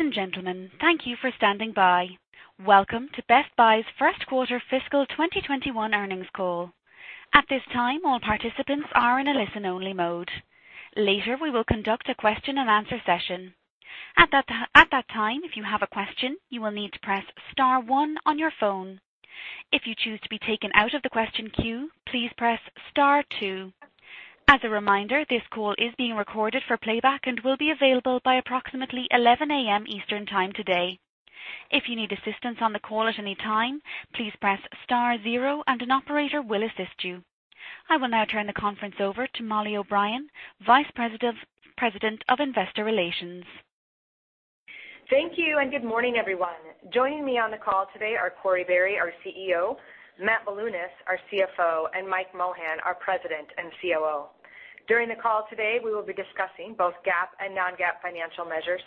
Ladies and gentlemen, thank you for standing by. Welcome to Best Buy's first quarter fiscal 2021 earnings call. At this time, all participants are in a listen-only mode. Later, we will conduct a question and answer session. At that time, if you have a question, you will need to press star one on your phone. If you choose to be taken out of the question queue, please press star two. As a reminder, this call is being recorded for playback and will be available by approximately 11:00 A.M. Eastern Time today. If you need assistance on the call at any time, please press star zero and an operator will assist you. I will now turn the conference over to Mollie O'Brien, Vice President of Investor Relations. Thank you, and good morning, everyone. Joining me on the call today are Corie Barry, our CEO; Matt Bilunas, our CFO; and Mike Mohan, our President and COO. During the call today, we will be discussing both GAAP and non-GAAP financial measures.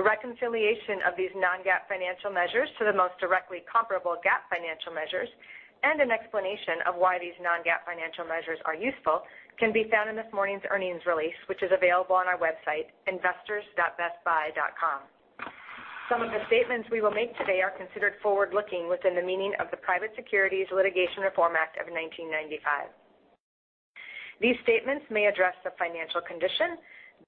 A reconciliation of these non-GAAP financial measures to the most directly comparable GAAP financial measures and an explanation of why these non-GAAP financial measures are useful can be found in this morning's earnings release, which is available on our website, investors.bestbuy.com. Some of the statements we will make today are considered forward-looking within the meaning of the Private Securities Litigation Reform Act of 1995. These statements may address the financial condition,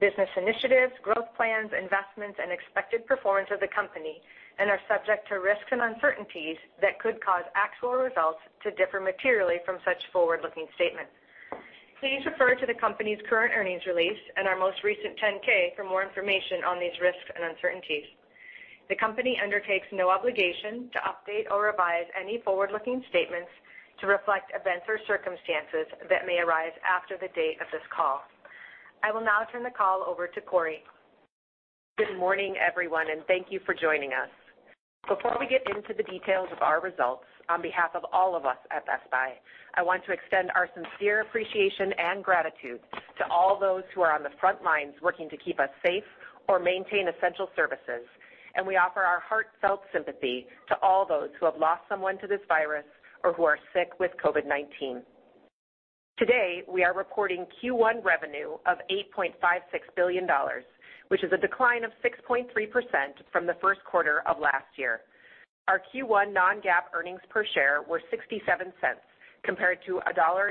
business initiatives, growth plans, investments, and expected performance of the company and are subject to risks and uncertainties that could cause actual results to differ materially from such forward-looking statements. Please refer to the company's current earnings release and our most recent 10-K for more information on these risks and uncertainties. The company undertakes no obligation to update or revise any forward-looking statements to reflect events or circumstances that may arise after the date of this call. I will now turn the call over to Corie. Good morning, everyone, and thank you for joining us. Before we get into the details of our results, on behalf of all of us at Best Buy, I want to extend our sincere appreciation and gratitude to all those who are on the front lines working to keep us safe or maintain essential services, and we offer our heartfelt sympathy to all those who have lost someone to this virus or who are sick with COVID-19. Today, we are reporting Q1 revenue of $8.56 billion, which is a decline of 6.3% from the first quarter of last year. Our Q1 non-GAAP earnings per share were $0.67 compared to $1.02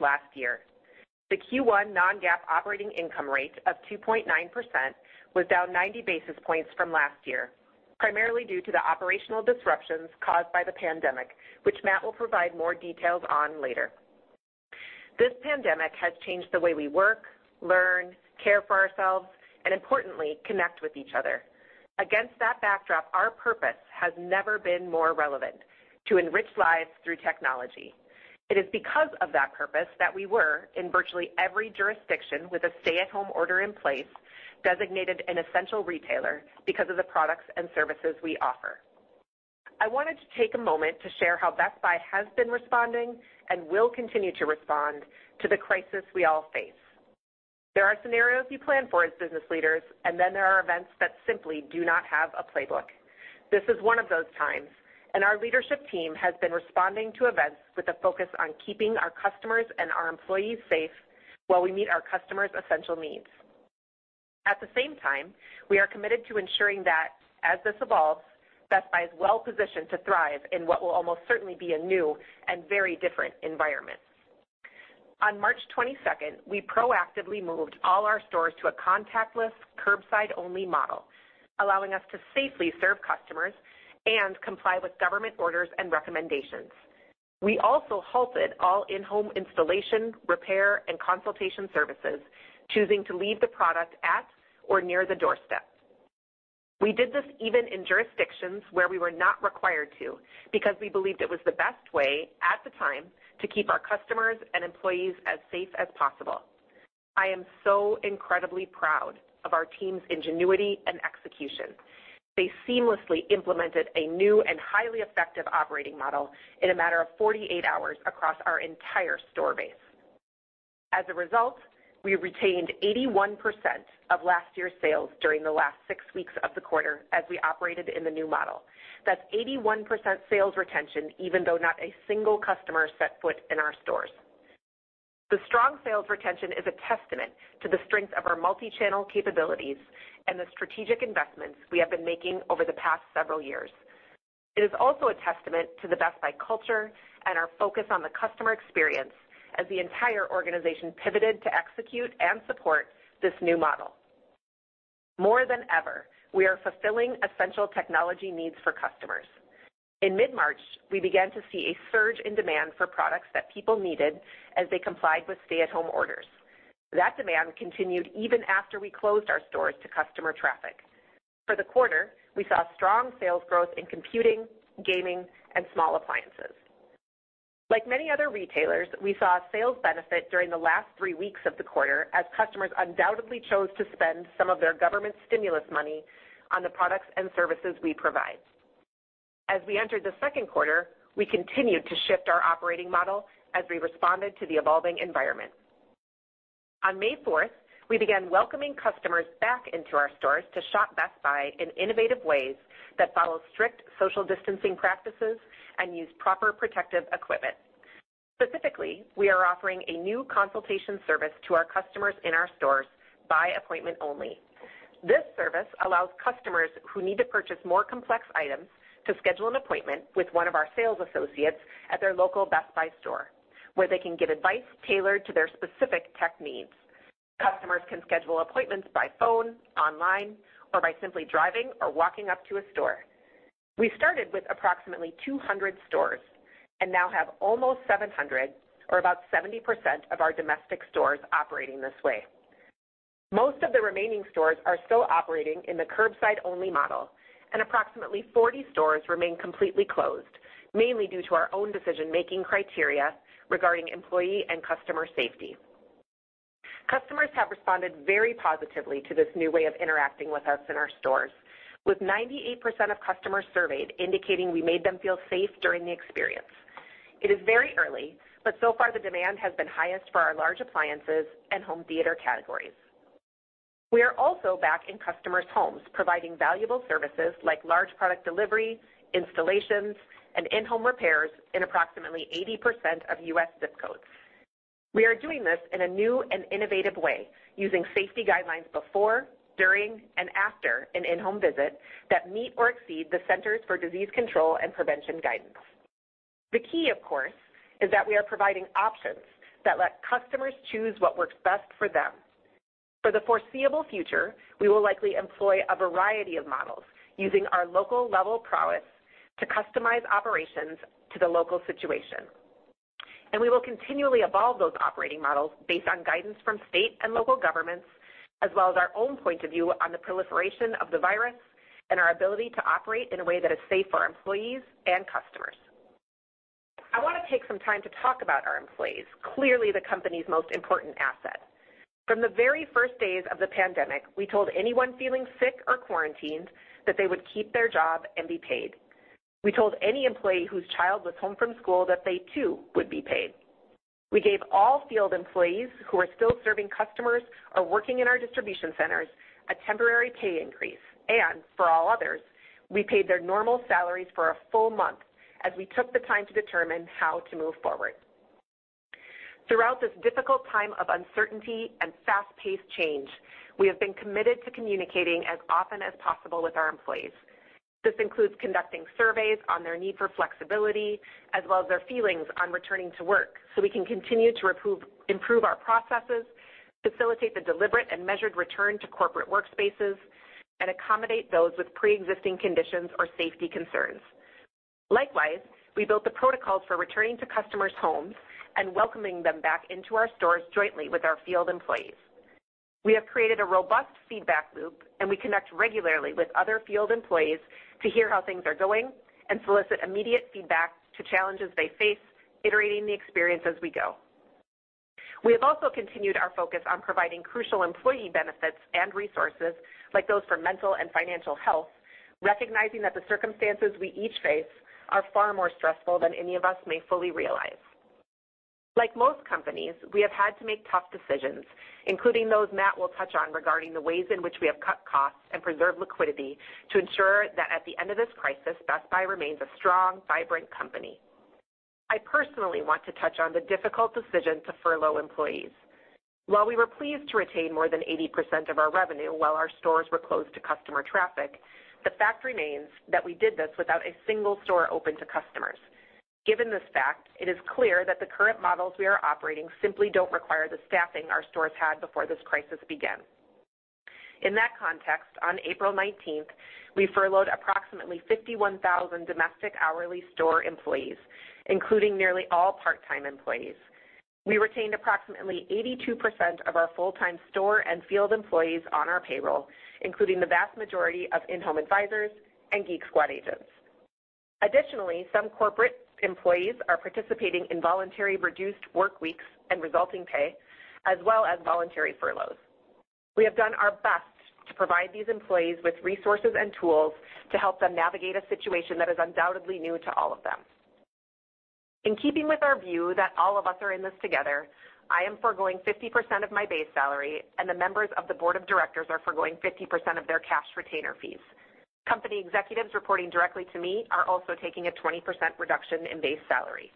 last year. The Q1 non-GAAP operating income rate of 2.9% was down 90 basis points from last year, primarily due to the operational disruptions caused by the pandemic, which Matt will provide more details on later. This pandemic has changed the way we work, learn, care for ourselves, and importantly, connect with each other. Against that backdrop, our purpose has never been more relevant, to enrich lives through technology. It is because of that purpose that we were, in virtually every jurisdiction with a stay-at-home order in place, designated an essential retailer because of the products and services we offer. I wanted to take a moment to share how Best Buy has been responding and will continue to respond to the crisis we all face. There are scenarios you plan for as business leaders, and then there are events that simply do not have a playbook. This is one of those times, and our leadership team has been responding to events with a focus on keeping our customers and our employees safe while we meet our customers' essential needs. At the same time, we are committed to ensuring that as this evolves, Best Buy is well-positioned to thrive in what will almost certainly be a new and very different environment. On March 22nd, we proactively moved all our stores to a contactless, curbside-only model, allowing us to safely serve customers and comply with government orders and recommendations. We also halted all in-home installation, repair, and consultation services, choosing to leave the product at or near the doorstep. We did this even in jurisdictions where we were not required to because we believed it was the best way at the time to keep our customers and employees as safe as possible. I am so incredibly proud of our team's ingenuity and execution. They seamlessly implemented a new and highly effective operating model in a matter of 48 hours across our entire store base. As a result, we retained 81% of last year's sales during the last six weeks of the quarter as we operated in the new model. That's 81% sales retention, even though not a single customer set foot in our stores. The strong sales retention is a testament to the strength of our multi-channel capabilities and the strategic investments we have been making over the past several years. It is also a testament to the Best Buy culture and our focus on the customer experience as the entire organization pivoted to execute and support this new model. More than ever, we are fulfilling essential technology needs for customers. In mid-March, we began to see a surge in demand for products that people needed as they complied with stay-at-home orders. That demand continued even after we closed our stores to customer traffic. For the quarter, we saw strong sales growth in computing, gaming, and small appliances. Like many other retailers, we saw sales benefit during the last three weeks of the quarter as customers undoubtedly chose to spend some of their government stimulus money on the products and services we provide. As we entered the second quarter, we continued to shift our operating model as we responded to the evolving environment. On May 4th, we began welcoming customers back into our stores to shop Best Buy in innovative ways that follow strict social distancing practices and use proper protective equipment. Specifically, we are offering a new consultation service to our customers in our stores by appointment only. This service allows customers who need to purchase more complex items to schedule an appointment with one of our sales associates at their local Best Buy store, where they can give advice tailored to their specific tech needs. Customers can schedule appointments by phone, online, or by simply driving or walking up to a store. We started with approximately 200 stores and now have almost 700, or about 70% of our domestic stores operating this way. Most of the remaining stores are still operating in the curbside-only model, and approximately 40 stores remain completely closed, mainly due to our own decision-making criteria regarding employee and customer safety. Customers have responded very positively to this new way of interacting with us in our stores, with 98% of customers surveyed indicating we made them feel safe during the experience. It is very early, but so far, the demand has been highest for our large appliances and home theater categories. We are also back in customers' homes providing valuable services like large product delivery, installations, and in-home repairs in approximately 80% of U.S. zip codes. We are doing this in a new and innovative way, using safety guidelines before, during, and after an in-home visit that meet or exceed the Centers for Disease Control and Prevention guidance. The key, of course, is that we are providing options that let customers choose what works best for them. For the foreseeable future, we will likely employ a variety of models using our local-level prowess to customize operations to the local situation. We will continually evolve those operating models based on guidance from state and local governments, as well as our own point of view on the proliferation of the virus and our ability to operate in a way that is safe for our employees and customers. I want to take some time to talk about our employees, clearly the company's most important asset. From the very first days of the pandemic, we told anyone feeling sick or quarantined that they would keep their job and be paid. We told any employee whose child was home from school that they too would be paid. We gave all field employees who are still serving customers or working in our distribution centers a temporary pay increase, and for all others, we paid their normal salaries for a full month as we took the time to determine how to move forward. Throughout this difficult time of uncertainty and fast-paced change, we have been committed to communicating as often as possible with our employees. This includes conducting surveys on their need for flexibility as well as their feelings on returning to work so we can continue to improve our processes, facilitate the deliberate and measured return to corporate workspaces, and accommodate those with pre-existing conditions or safety concerns. Likewise, we built the protocols for returning to customers' homes and welcoming them back into our stores jointly with our field employees. We have created a robust feedback loop, and we connect regularly with other field employees to hear how things are going and solicit immediate feedback to challenges they face, iterating the experience as we go. We have also continued our focus on providing crucial employee benefits and resources like those for mental and financial health, recognizing that the circumstances we each face are far more stressful than any of us may fully realize. Like most companies, we have had to make tough decisions, including those Matt will touch on regarding the ways in which we have cut costs and preserved liquidity to ensure that at the end of this crisis, Best Buy remains a strong, vibrant company. I personally want to touch on the difficult decision to furlough employees. While we were pleased to retain more than 80% of our revenue while our stores were closed to customer traffic, the fact remains that we did this without a single store open to customers. Given this fact, it is clear that the current models we are operating simply don't require the staffing our stores had before this crisis began. In that context, on April 19th, we furloughed approximately 51,000 domestic hourly store employees, including nearly all part-time employees. We retained approximately 82% of our full-time store and field employees on our payroll, including the vast majority of in-Home Advisors and Geek Squad agents. Additionally, some corporate employees are participating in voluntary reduced workweeks and resulting pay, as well as voluntary furloughs. We have done our best to provide these employees with resources and tools to help them navigate a situation that is undoubtedly new to all of them. In keeping with our view that all of us are in this together, I am forgoing 50% of my base salary, and the members of the board of directors are forgoing 50% of their cash retainer fees. Company executives reporting directly to me are also taking a 20% reduction in base salary.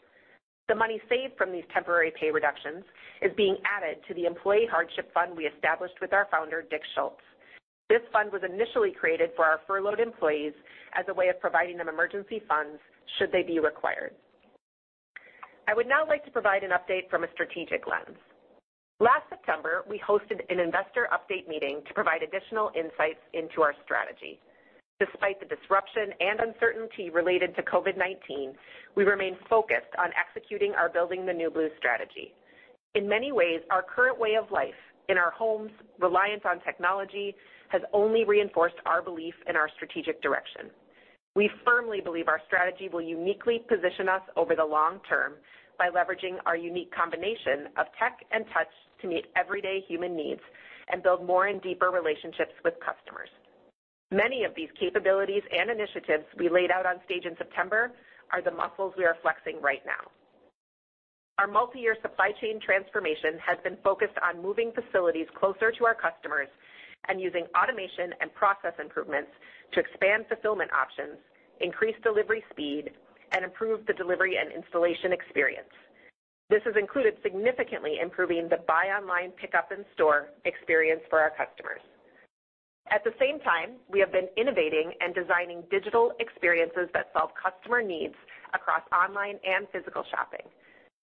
The money saved from these temporary pay reductions is being added to the employee hardship fund we established with our founder, Dick Schulze. This fund was initially created for our furloughed employees as a way of providing them emergency funds should they be required. I would now like to provide an update from a strategic lens. Last September, we hosted an investor update meeting to provide additional insights into our strategy. Despite the disruption and uncertainty related to COVID-19, we remain focused on executing our Building the New Blue strategy. In many ways, our current way of life in our homes, our reliance on technology, has only reinforced our belief in our strategic direction. We firmly believe our strategy will uniquely position us over the long term by leveraging our unique combination of tech and touch to meet everyday human needs and build more and deeper relationships with customers. Many of these capabilities and initiatives we laid out on stage in September are the muscles we are flexing right now. Our multi-year supply chain transformation has been focused on moving facilities closer to our customers and using automation and process improvements to expand fulfillment options, increase delivery speed, and improve the delivery and installation experience. This has included significantly improving the buy online, pickup in-store experience for our customers. At the same time, we have been innovating and designing digital experiences that solve customer needs across online and physical shopping.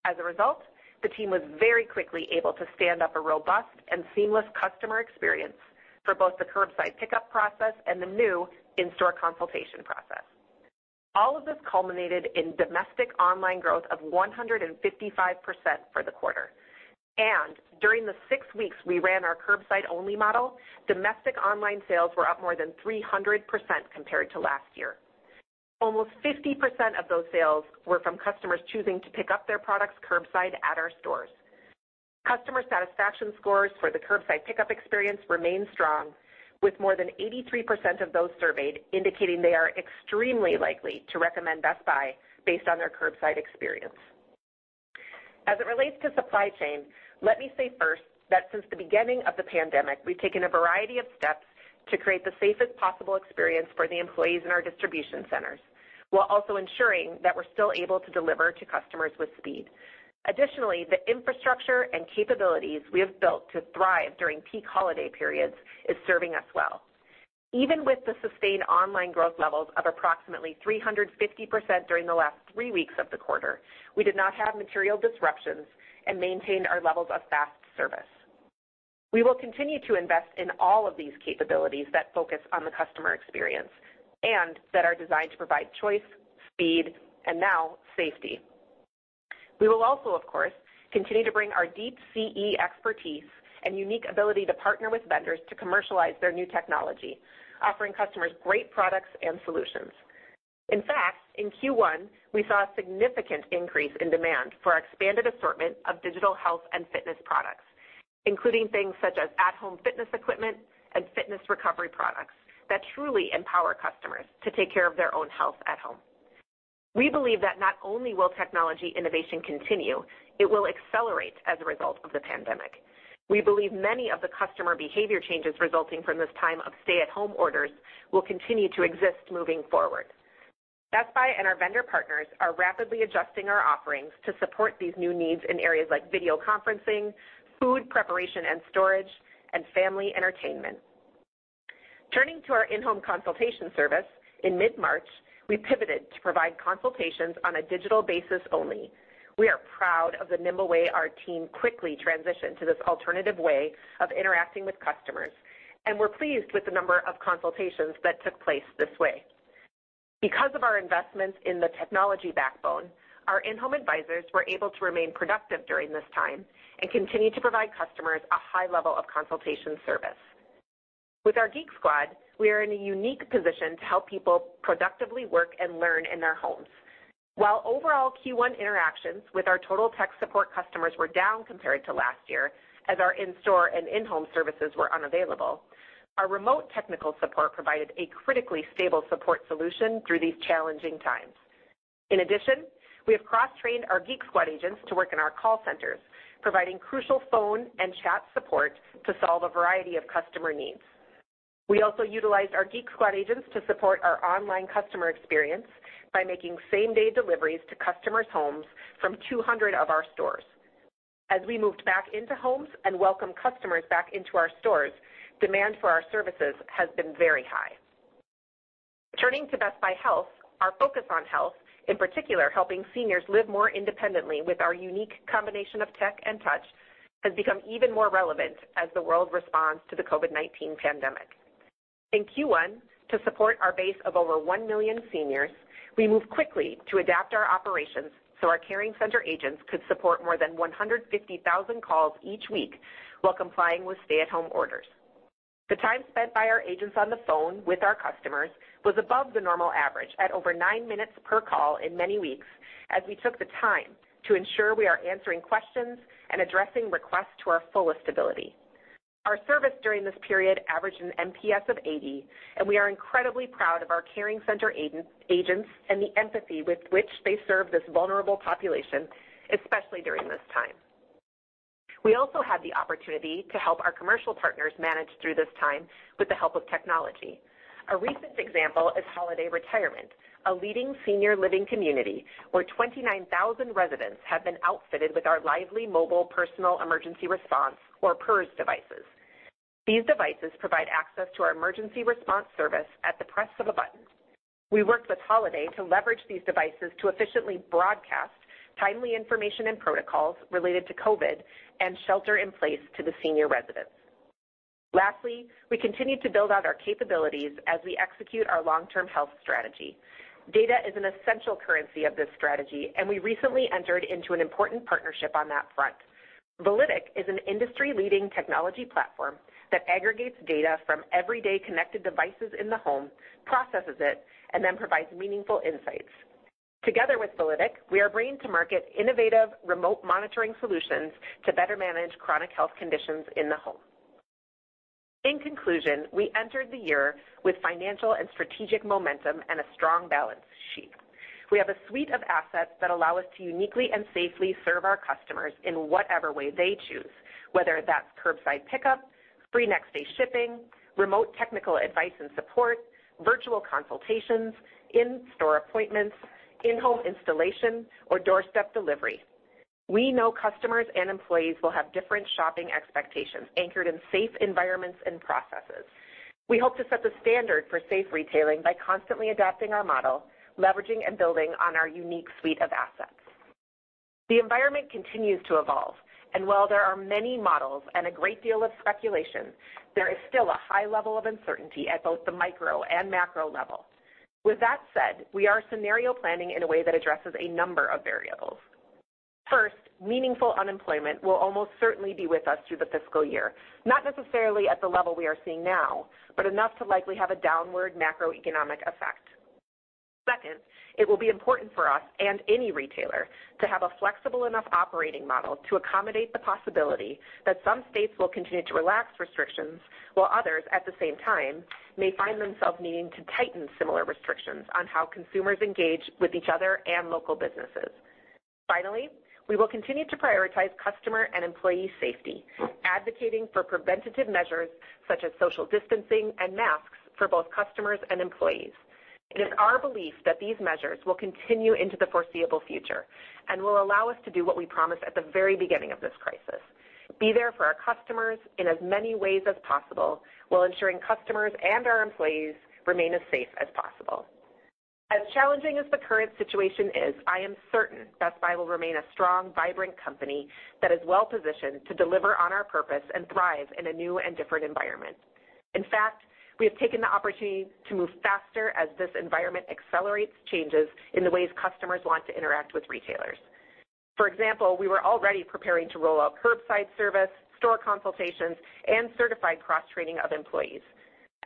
As a result, the team was very quickly able to stand up a robust and seamless customer experience for both the curbside pickup process and the new in-store consultation process. All of this culminated in domestic online growth of 155% for the quarter. During the six weeks we ran our curbside-only model, domestic online sales were up more than 300% compared to last year. Almost 50% of those sales were from customers choosing to pick up their products curbside at our stores. Customer satisfaction scores for the curbside pickup experience remain strong, with more than 83% of those surveyed indicating they are extremely likely to recommend Best Buy based on their curbside experience. As it relates to the supply chain, let me say first that since the beginning of the pandemic, we've taken a variety of steps to create the safest possible experience for the employees in our distribution centers while also ensuring that we're still able to deliver to customers with speed. The infrastructure and capabilities we have built to thrive during peak holiday periods are serving us well. Even with the sustained online growth levels of approximately 350% during the last three weeks of the quarter, we did not have material disruptions and maintained our levels of fast service. We will continue to invest in all of these capabilities that focus on the customer experience and that are designed to provide choice, speed, and now safety. We will also, of course, continue to bring our deep CE expertise and unique ability to partner with vendors to commercialize their new technology, offering customers great products and solutions. In fact, in Q1, we saw a significant increase in demand for our expanded assortment of digital health and fitness products, including things such as at-home fitness equipment and fitness recovery products that truly empower customers to take care of their own health at home. We believe that not only will technology innovation continue, but it will accelerate as a result of the pandemic. We believe many of the customer behavior changes resulting from this time of stay-at-home orders will continue to exist moving forward. Best Buy and our vendor partners are rapidly adjusting our offerings to support these new needs in areas like video conferencing, food preparation and storage, and family entertainment. Turning to our in-home consultation service, in mid-March, we pivoted to provide consultations on a digital basis only. We are proud of the nimble way our team quickly transitioned to this alternative way of interacting with customers, and we're pleased with the number of consultations that took place this way. Because of our investments in the technology backbone, our In-Home Advisors were able to remain productive during this time and continue to provide customers a high level of consultation service. With our Geek Squad, we are in a unique position to help people productively work and learn in their homes. While overall Q1 interactions with our Total Tech Support customers were down compared to last year as our in-store and in-home services were unavailable, our remote technical support provided a critically stable support solution through these challenging times. In addition, we have cross-trained our Geek Squad agents to work in our call centers, providing crucial phone and chat support to solve a variety of customer needs. We also utilized our Geek Squad agents to support our online customer experience by making same-day deliveries to customers' homes from 200 of our stores. As we moved back into homes and welcomed customers back into our stores, demand for our services has been very high. Turning to Best Buy Health, our focus on health, in particular, helping seniors live more independently with our unique combination of tech and touch, has become even more relevant as the world responds to the COVID-19 pandemic. In Q1, to support our base of over 1 million seniors, we moved quickly to adapt our operations so our Caring Center agents could support more than 150,000 calls each week while complying with stay-at-home orders. The time spent by our agents on the phone with our customers was above the normal average at over nine minutes per call in many weeks as we took the time to ensure we were answering questions and addressing requests to our fullest ability. Our service during this period averaged an NPS of 80, and we are incredibly proud of our Caring Center agents and the empathy with which they serve this vulnerable population, especially during this time. We also had the opportunity to help our commercial partners manage through this time with the help of technology. A recent example is Holiday Retirement, a leading senior living community where 29,000 residents have been outfitted with our Lively Mobile personal emergency response or PERS devices. These devices provide access to our emergency response service at the press of a button. We worked with Holiday to leverage these devices to efficiently broadcast timely information and protocols related to COVID and shelter in place to the senior residents. Lastly, we continued to build out our capabilities as we execute our long-term health strategy. Data is an essential currency of this strategy, and we recently entered into an important partnership on that front. Validic is an industry-leading technology platform that aggregates data from everyday connected devices in the home, processes it, and then provides meaningful insights. Together with Validic, we are bringing to market innovative remote monitoring solutions to better manage chronic health conditions in the home. In conclusion, we entered the year with financial and strategic momentum and a strong balance sheet. We have a suite of assets that allow us to uniquely and safely serve our customers in whatever way they choose, whether that's curbside pickup, free next-day shipping, remote technical advice and support, virtual consultations, in-store appointments, in-home installation, or doorstep delivery. We know customers and employees will have different shopping expectations anchored in safe environments and processes. We hope to set the standard for safe retailing by constantly adapting our model, leveraging and building on our unique suite of assets. The environment continues to evolve, and while there are many models and a great deal of speculation, there is still a high level of uncertainty at both the micro and macro level. With that said, we are scenario planning in a way that addresses a number of variables. First, meaningful unemployment will almost certainly be with us through the fiscal year, not necessarily at the level we are seeing now, but enough to likely have a downward macroeconomic effect. Second, it will be important for us and any retailer to have a flexible enough operating model to accommodate the possibility that some states will continue to relax restrictions, while others, at the same time, may find themselves needing to tighten similar restrictions on how consumers engage with each other and local businesses. Finally, we will continue to prioritize customer and employee safety, advocating for preventative measures such as social distancing and masks for both customers and employees. It is our belief that these measures will continue into the foreseeable future and will allow us to do what we promised at the very beginning of this crisis, be there for our customers in as many ways as possible while ensuring customers and our employees remain as safe as possible. As challenging as the current situation is, I am certain Best Buy will remain a strong, vibrant company that is well-positioned to deliver on our purpose and thrive in a new and different environment. In fact, we have taken the opportunity to move faster as this environment accelerates changes in the ways customers want to interact with retailers. For example, we were already preparing to roll out curbside service, store consultations, and certified cross-training of employees.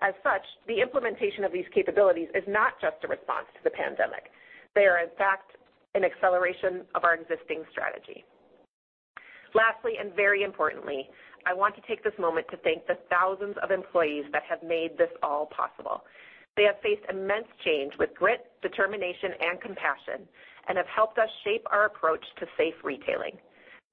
As such, the implementation of these capabilities is not just a response to the pandemic. They are, in fact, an acceleration of our existing strategy. Lastly, and very importantly, I want to take this moment to thank the thousands of employees that have made this all possible. They have faced immense change with grit, determination, and compassion and have helped us shape our approach to safe retailing.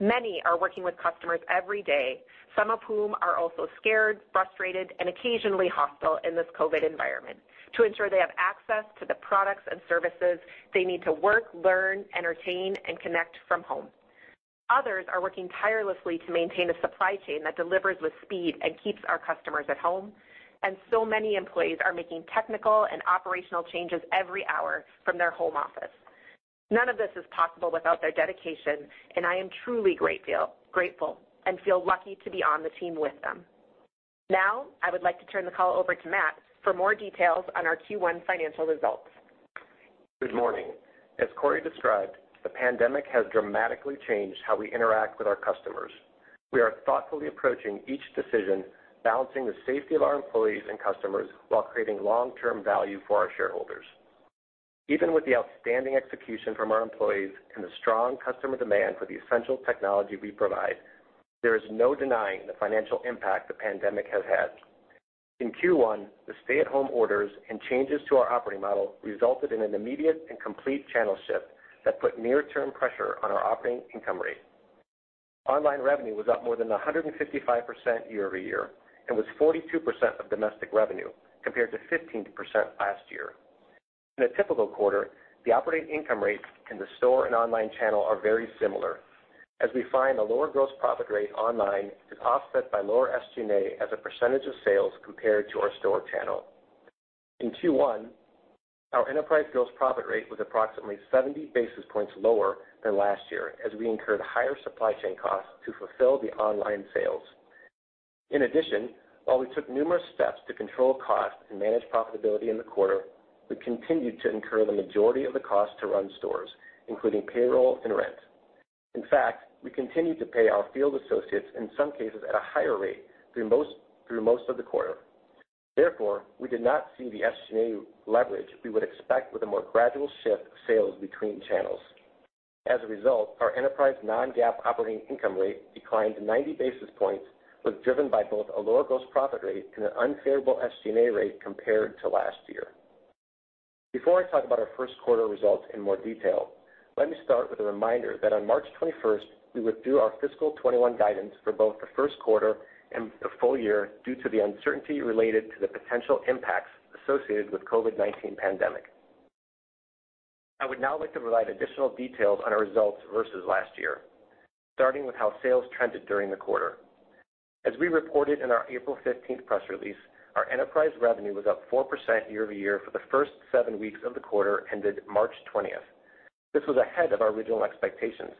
Many are working with customers every day, some of whom are also scared, frustrated, and occasionally hostile in this COVID-19 environment, to ensure they have access to the products and services they need to work, learn, entertain, and connect from home. Others are working tirelessly to maintain a supply chain that delivers with speed and keeps our customers at home, and so many employees are making technical and operational changes every hour from their home office. None of this is possible without their dedication, and I am truly grateful and feel lucky to be on the team with them. Now, I would like to turn the call over to Matt for more details on our Q1 financial results. Good morning. As Corie described, the pandemic has dramatically changed how we interact with our customers. We are thoughtfully approaching each decision, balancing the safety of our employees and customers while creating long-term value for our shareholders. Even with the outstanding execution from our employees and the strong customer demand for the essential technology we provide, there is no denying the financial impact the pandemic has had. In Q1, the stay-at-home orders and changes to our operating model resulted in an immediate and complete channel shift that put near-term pressure on our operating income rate. Online revenue was up more than 155% year-over-year and was 42% of domestic revenue, compared to 15% last year. In a typical quarter, the operating income rates in the store and online channel are very similar, as we find a lower gross profit rate online is offset by lower SG&A as a percentage of sales compared to our store channel. In Q1, our enterprise gross profit rate was approximately 70 basis points lower than last year as we incurred higher supply chain costs to fulfill the online sales. In addition, while we took numerous steps to control costs and manage profitability in the quarter, we continued to incur the majority of the cost to run stores, including payroll and rent. In fact, we continued to pay our field associates, in some cases at a higher rate, through most of the quarter. Therefore, we did not see the SG&A leverage we would expect with a more gradual shift of sales between channels. As a result, our enterprise non-GAAP operating income rate declined 90 basis points and was driven by both a lower gross profit rate and an unfavorable SG&A rate compared to last year. Before I talk about our first quarter results in more detail, let me start with a reminder that on March 21st, we withdrew our fiscal 2021 guidance for both the first quarter and the full year due to the uncertainty related to the potential impacts associated with the COVID-19 pandemic. I would now like to provide additional details on our results versus last year, starting with how sales trended during the quarter. As we reported in our April 15th press release, our enterprise revenue was up 4% year-over-year for the first seven weeks of the quarter ended March 20th. This was ahead of our original expectations,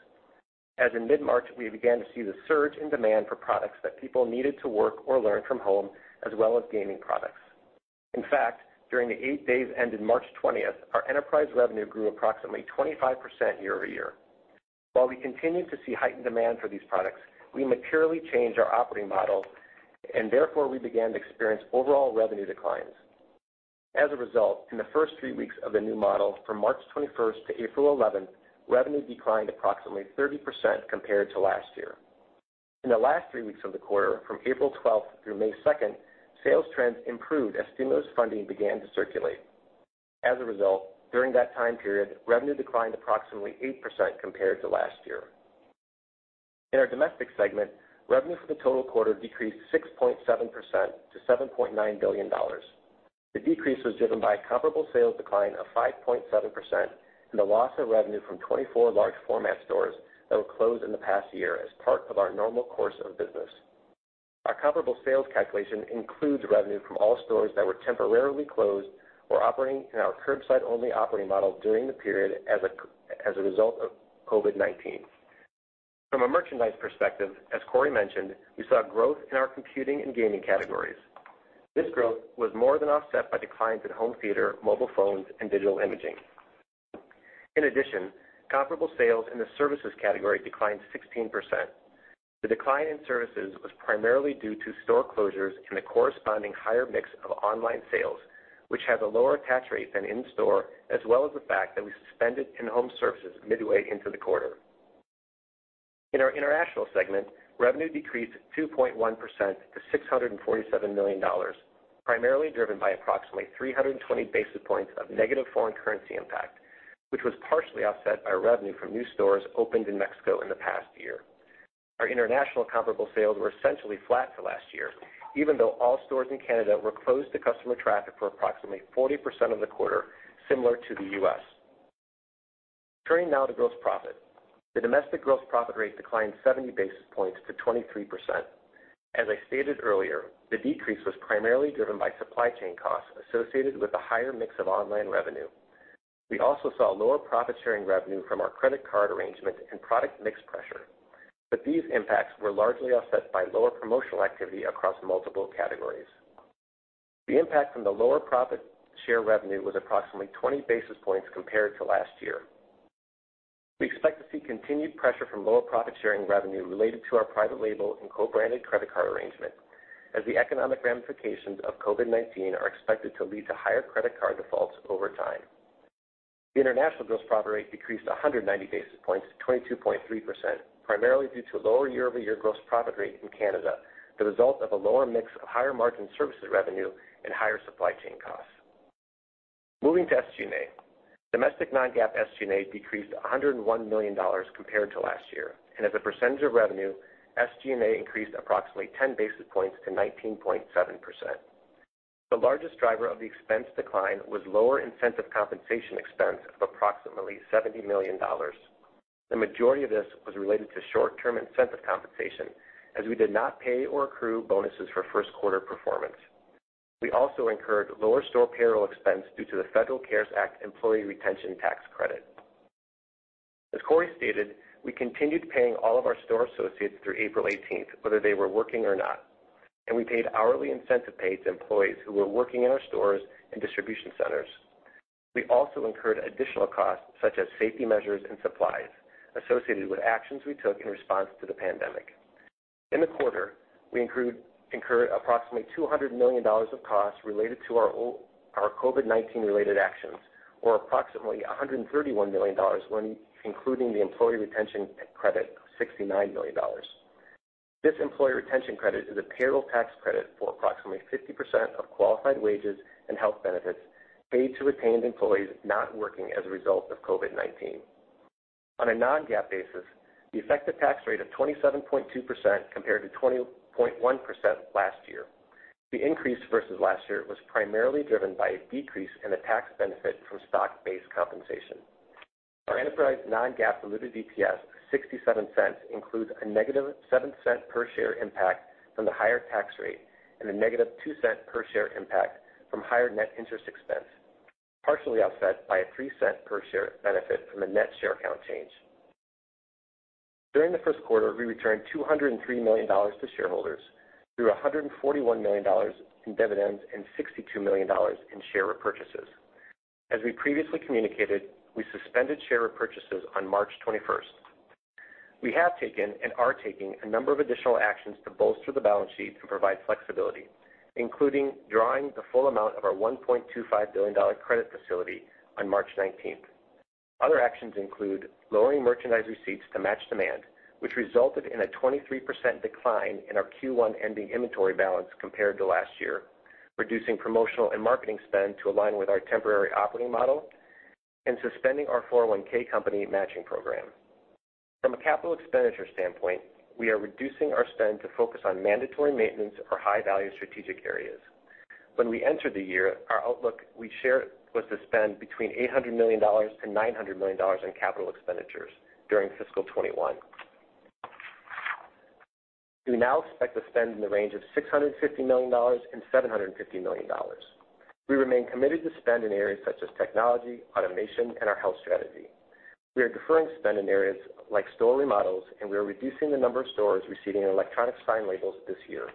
as in mid-March, we began to see the surge in demand for products that people needed to work or learn from home, as well as gaming products. In fact, during the eight days ended March 20th, our enterprise revenue grew approximately 25% year-over-year. While we continued to see heightened demand for these products, we materially changed our operating model, and therefore we began to experience overall revenue declines. As a result, in the first three weeks of the new model, from March 21st to April 11th, revenue declined approximately 30% compared to last year. In the last three weeks of the quarter, from April 12th through May second, sales trends improved as stimulus funding began to circulate. As a result, during that time period, revenue declined approximately 8% compared to last year. In our Domestic segment, revenue for the total quarter decreased 6.7% to $7.9 billion. The decrease was driven by a comparable sales decline of 5.7% and the loss of revenue from 24 large-format stores that were closed in the past year as part of our normal course of business. Our comparable sales calculation includes revenue from all stores that were temporarily closed or operating in our curbside-only operating model during the period as a result of COVID-19. From a merchandise perspective, as Corie mentioned, we saw growth in our computing and gaming categories. This growth was more than offset by declines in home theater, mobile phones, and digital imaging. In addition, comparable sales in the services category declined 16%. The decline in services was primarily due to store closures and the corresponding higher mix of online sales, which has a lower attach rate than in-store, as well as the fact that we suspended in-home services midway into the quarter. In our International segment, revenue decreased 2.1% to $647 million, primarily driven by approximately 320 basis points of negative foreign currency impact, which was partially offset by revenue from new stores opened in Mexico in the past year. Our international comparable sales were essentially flat to last year, even though all stores in Canada were closed to customer traffic for approximately 40% of the quarter, similar to the U.S. Turning now to gross profit. The domestic gross profit rate declined 70 basis points to 23%. As I stated earlier, the decrease was primarily driven by supply chain costs associated with a higher mix of online revenue. We also saw lower profit-sharing revenue from our credit card arrangement and product mix pressure. These impacts were largely offset by lower promotional activity across multiple categories. The impact from the lower profit share revenue was approximately 20 basis points compared to last year. We expect to see continued pressure from lower profit-sharing revenue related to our private label and co-branded credit card arrangement, as the economic ramifications of COVID-19 are expected to lead to higher credit card defaults over time. The international gross profit rate decreased 190 basis points to 22.3%, primarily due to a lower year-over-year gross profit rate in Canada, the result of a lower mix of higher-margin services revenue and higher supply chain costs. Moving to SG&A. Domestic non-GAAP SG&A decreased $101 million compared to last year. As a percentage of revenue, SG&A increased approximately 10 basis points to 19.7%. The largest driver of the expense decline was lower incentive compensation expense of approximately $70 million. The majority of this was related to short-term incentive compensation, as we did not pay or accrue bonuses for first-quarter performance. We also incurred lower store payroll expenses due to the Federal CARES Act employee retention tax credit. As Corie stated, we continued paying all of our store associates through April 18th, whether they were working or not. We paid hourly incentive pay to employees who were working in our stores and distribution centers. We also incurred additional costs, such as safety measures and supplies, associated with actions we took in response to the pandemic. In the quarter, we incurred approximately $200 million of costs related to our COVID-19 related actions, or approximately $131 million when including the employee retention credit of $69 million. This employee retention credit is a payroll tax credit for approximately 50% of qualified wages and health benefits paid to retained employees not working as a result of COVID-19. On a non-GAAP basis, the effective tax rate was 27.2%, compared to 20.1% last year. The increase versus last year was primarily driven by a decrease in the tax benefit from stock-based compensation. Our enterprise non-GAAP diluted EPS of $0.67 includes a negative $0.07 per share impact from the higher tax rate and a negative $0.02 per share impact from higher net interest expense, partially offset by a $0.03 per share benefit from a net share count change. During the first quarter, we returned $203 million to shareholders through $141 million in dividends and $62 million in share repurchases. As we previously communicated, we suspended share repurchases on March 21st. We have taken and are taking a number of additional actions to bolster the balance sheet and provide flexibility, including drawing the full amount of our $1.25 billion credit facility on March 19th. Other actions include lowering merchandise receipts to match demand, which resulted in a 23% decline in our Q1 ending inventory balance compared to last year, reducing promotional and marketing spend to align with our temporary operating model, and suspending our 401(k) company matching program. From a capital expenditure standpoint, we are reducing our spend to focus on mandatory maintenance or high-value strategic areas. When we entered the year, our outlook we shared was to spend between $800 million and $900 million in capital expenditures during fiscal 2021. We now expect to spend in the range of $650 million and $750 million. We remain committed to spending in areas such as technology, automation, and our health strategy. We are deferring spend in areas like store remodels, and we are reducing the number of stores receiving electronic sign labels this year.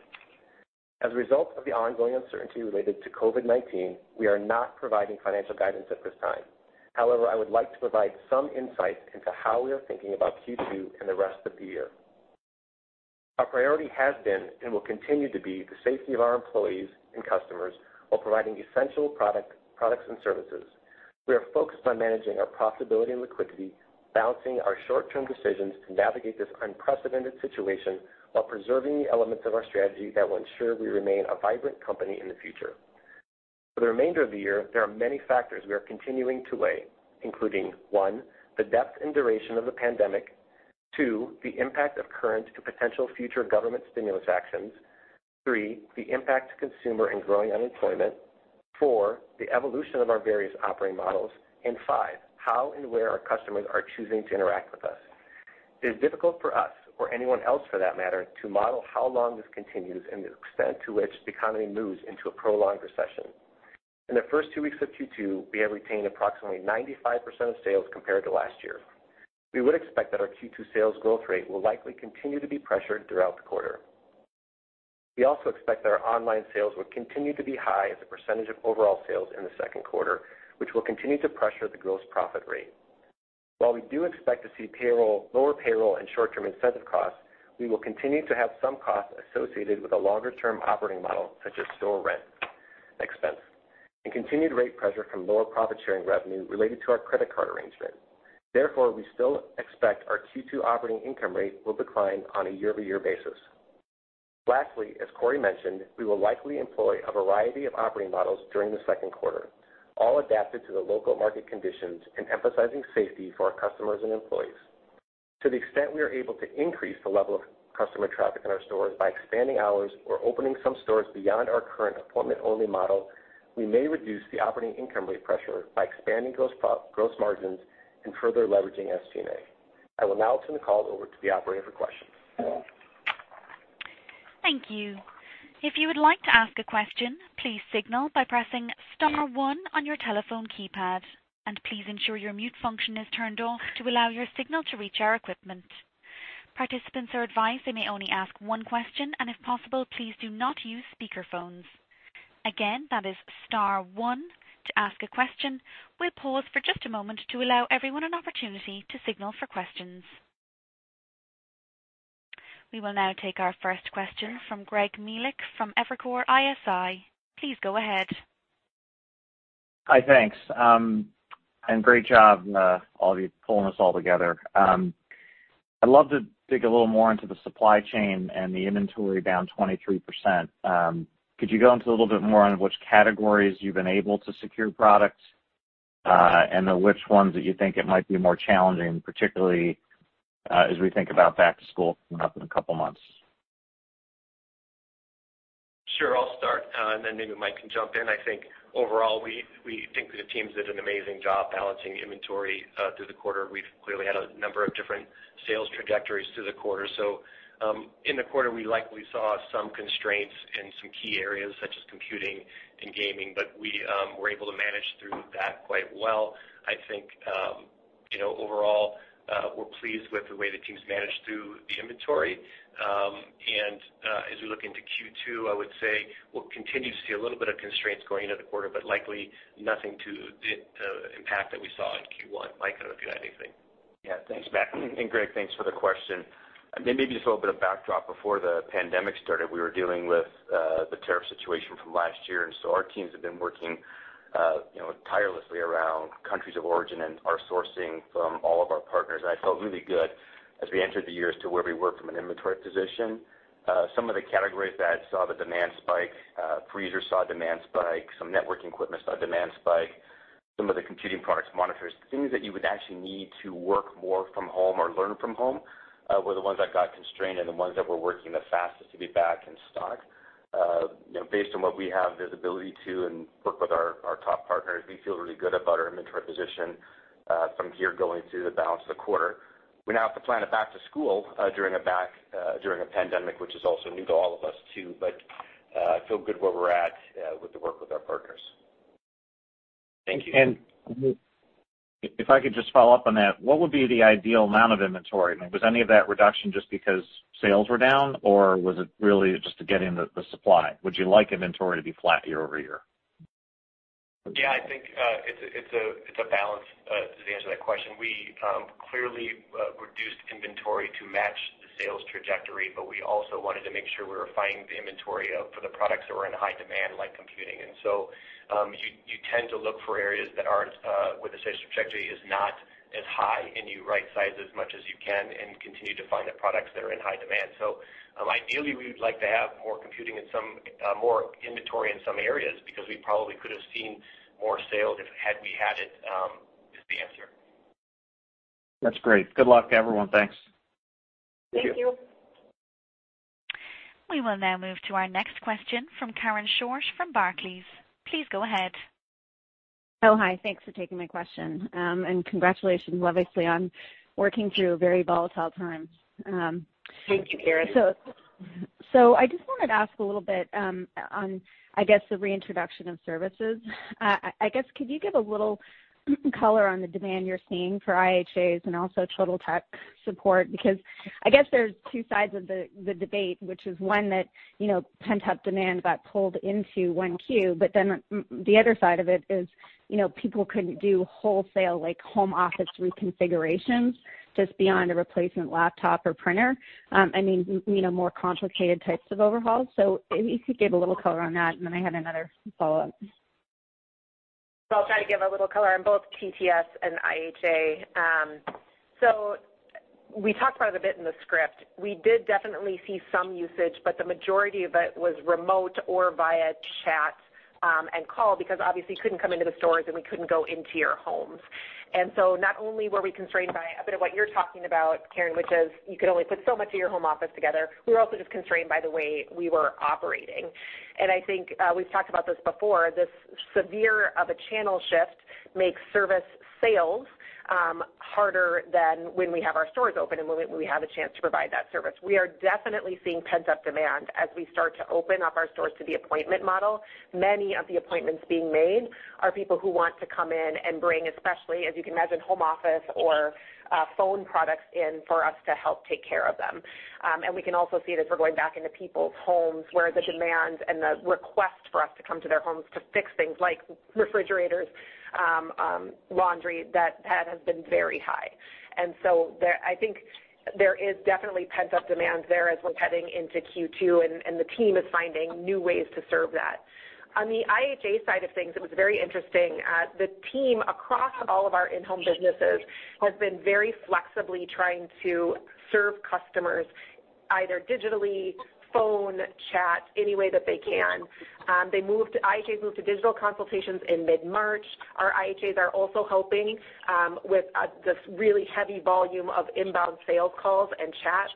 As a result of the ongoing uncertainty related to COVID-19, we are not providing financial guidance at this time. However, I would like to provide some insight into how we are thinking about Q2 and the rest of the year. Our priority has been and will continue to be the safety of our employees and customers while providing essential products and services. We are focused on managing our profitability and liquidity, balancing our short-term decisions to navigate this unprecedented situation while preserving the elements of our strategy that will ensure we remain a vibrant company in the future. For the remainder of the year, there are many factors we are continuing to weigh, including one, the depth and duration of the pandemic; two, the impact of current to potential future government stimulus actions; three, the impact on consumers and growing unemployment; four, the evolution of our various operating models; and five, how and where our customers are choosing to interact with us. It is difficult for us, or anyone else for that matter, to model how long this continues and the extent to which the economy moves into a prolonged recession. In the first two weeks of Q2, we have retained approximately 95% of sales compared to last year. We would expect that our Q2 sales growth rate will likely continue to be pressured throughout the quarter. We also expect that our online sales will continue to be high as a percentage of overall sales in the second quarter, which will continue to pressure the gross profit rate. While we do expect to see lower payroll and short-term incentive costs, we will continue to have some costs associated with a longer-term operating model, such as store rent expense and continued rate pressure from lower profit-sharing revenue related to our credit card arrangement. We still expect our Q2 operating income rate will decline on a year-over-year basis. As Corie mentioned, we will likely employ a variety of operating models during the second quarter, all adapted to the local market conditions and emphasizing safety for our customers and employees. To the extent we are able to increase the level of customer traffic in our stores by expanding hours or opening some stores beyond our current appointment-only model, we may reduce the operating income rate pressure by expanding gross margins and further leveraging SG&A. I will now turn the call over to the operator for questions. Thank you. If you would like to ask a question, please signal by pressing star one on your telephone keypad, and please ensure your mute function is turned off to allow your signal to reach our equipment. Participants are advised they may only ask one question. If possible, please do not use speakerphones. Again, that is star one to ask a question. We will pause for just a moment to allow everyone an opportunity to signal for questions. We will now take our first question from Greg Melich from Evercore ISI. Please go ahead. Hi, thanks. Great job all of you pulling this all together. I'd love to dig a little more into the supply chain and the inventory, down 23%. Could you go into a little bit more detail on which categories you've been able to secure products and then which ones you think it might be more challenging for, particularly as we think about back to school coming up in a couple of months? Sure. I'll start, then maybe Mike can jump in. I think overall, we think the teams did an amazing job balancing inventory through the quarter. We've clearly had a number of different sales trajectories through the quarter. In the quarter, we likely saw some constraints in some key areas such as computing and gaming, but we were able to manage through that quite well. I think overall, we're pleased with the way the team's managed through the inventory. As we look into Q2, I would say we'll continue to see a little bit of constraints going into the quarter, but likely nothing to the impact that we saw in Q1. Mike, I don't know if you had anything. Yeah. Thanks, Matt. Greg, thanks for the question. Maybe just a little bit of backdrop. Before the pandemic started, we were dealing with the tariff situation from last year, and so our teams have been working tirelessly around countries of origin and are sourcing from all of our partners. I felt really good as we entered the year as to where we were from an inventory position. Some of the categories that saw the demand spike were freezers, some networking equipment, and some of the computing products, like monitors. Things that you would actually need to work more from home or learn from home were the ones that got constrained and the ones that we're working the fastest to get back in stock. Based on what we have visibility to and work with our top partners, we feel really good about our inventory position from here going through the balance of the quarter. We now have to plan a back to school during a pandemic, which is also new to all of us. I feel good where we're at with the work with our partners. Thank you. And- If I could just follow up on that, what would be the ideal amount of inventory? Was any of that reduction just because sales were down, or was it really just to get in the supply? Would you like inventory to be flat year-over-year? Yeah, I think it's a balance, to answer that question. We clearly reduced inventory to match the sales trajectory, but we also wanted to make sure we were finding the inventory for the products that were in high demand, like computing. You tend to look for areas where the sales trajectory is not as high, and you right-size as much as you can and continue to find the products that are in high demand. Ideally, we would like to have more inventory in some areas because we probably could have seen more sales had we had it, is the answer. That's great. Good luck, everyone. Thanks. Thank you. Thank you. We will now move to our next question from Karen Short from Barclays. Please go ahead. Oh, hi. Thanks for taking my question, and congratulations, obviously, on working through a very volatile time. Thank you, Karen. I just wanted to ask a little bit about, I guess, the reintroduction of services. I guess, could you give a little color on the demand you're seeing for IHAs and also Total Tech Support? I guess there are two sides of the debate: one is that pent-up demand got pulled into 1Q, but then the other side of it is people couldn't do wholesale home office reconfigurations just beyond a replacement laptop or printer. I mean, more complicated types of overhauls. If you could give a little color on that, then I would have another follow-up. I'll try to give a little color on both TTS and IHA. We talked about it a bit in the script. We did definitely see some usage, but the majority of it was remote or via chat and calls because obviously we couldn't come into the stores, and we couldn't go into your homes. Not only were we constrained by a bit of what you're talking about, Karen, which is you could only put so much of your home office together, but we were also just constrained by the way we were operating. I think we've talked about this before; this severe of a channel shift makes service sales harder than when we have our stores open and when we have a chance to provide that service. We are definitely seeing pent-up demand as we start to open up our stores to the appointment model. Many of the appointments being made are people who want to come in and bring, especially, as you can imagine, home office or phone products in for us to help take care of them. We can also see it as we're going back into people's homes where the demand and the request for us to come to their homes to fix things like refrigerators, laundry, that has been very high. I think there is definitely pent-up demand there as we're heading into Q2, and the team is finding new ways to serve that. On the IHA side of things, it was very interesting. The team across all of our in-home businesses has been very flexibly trying to serve customers, either digitally, by phone, by chat, or any way that they can. IHAs moved to digital consultations in mid-March. Our IHAs are also helping with this really heavy volume of inbound sales calls and chats.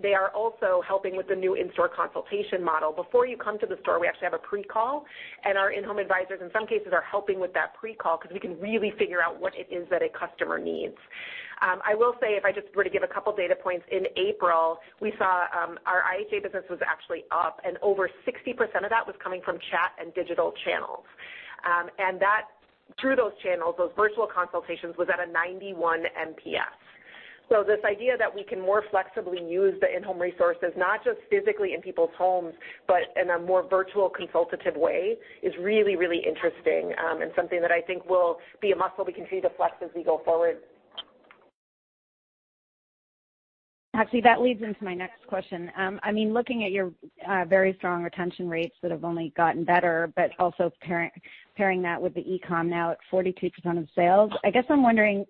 They are also helping with the new in-store consultation model. Before you come to the store, we actually have a pre-call. Our In-Home Advisors, in some cases, are helping with that pre-call because we can really figure out what it is that a customer needs. I will say, if I just were to give a couple data points, in April, we saw our IHA business was actually up. Over 60% of that was coming from chat and digital channels. Through those channels, those virtual consultations were at a 91 NPS. This idea that we can more flexibly use the in-home resources, not just physically in people's homes, but in a more virtual consultative way, is really, really interesting, and something that I think will be a muscle we continue to flex as we go forward. Actually, that leads into my next question. Looking at your very strong retention rates that have only gotten better, but also pairing that with e-com now at 42% of sales, I guess I'm wondering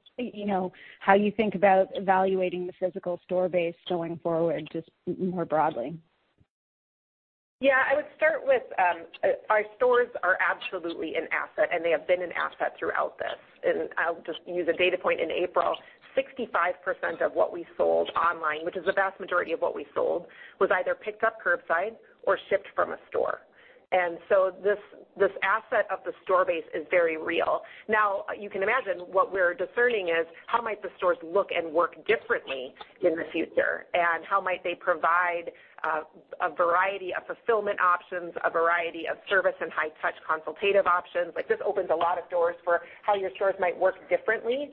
how you think about evaluating the physical store base going forward, just more broadly. Yeah, I would start with, our stores are absolutely an asset. They have been an asset throughout this. I'll just use a data point. In April, 65% of what we sold online, which is the vast majority of what we sold, was either picked up curbside or shipped from a store. This asset of the store base is very real. Now, you can imagine what we're discerning is how the stores might look and work differently in the future, and how might they provide a variety of fulfillment options, a variety of service and high touch consultative options. This opens a lot of doors for how your stores might work differently,